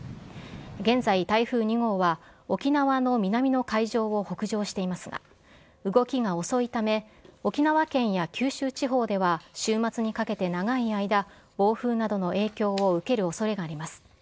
現在、台風２号は、沖縄の南の海上を北上していますが、動きが遅いため、沖縄県や九州地方では週末にかけて長い間、暴風などの影響を受けるおそれがあります。